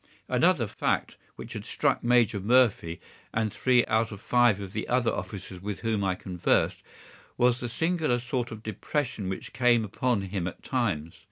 Another fact, which had struck Major Murphy and three out of five of the other officers with whom I conversed, was the singular sort of depression which came upon him at times.